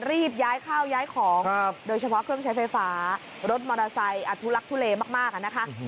รีบย้ายข้าวย้ายของโดยเฉพาะเครื่องใช้ไฟฟ้ารถมอเตอร์ไซค์อทุลักทุเลมากอะนะคะ